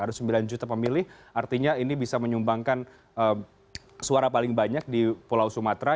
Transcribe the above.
ada sembilan juta pemilih artinya ini bisa menyumbangkan suara paling banyak di pulau sumatera